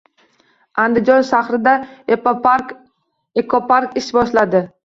Andijon shahrida ekopark ish boshladi